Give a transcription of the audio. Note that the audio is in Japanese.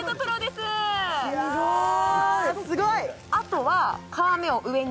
すごーい！